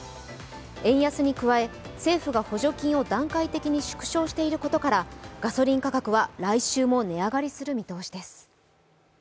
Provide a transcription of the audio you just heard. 円安に加え、政府が補助金を段階的に縮小していることから、ガソリン価格は来週も値上がりする見通しです。